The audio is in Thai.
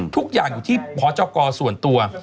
ทุกอย่างอยู่ที่พจกส่วนตัว